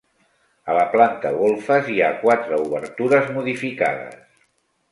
A la planta golfes hi ha quatre obertures modificades.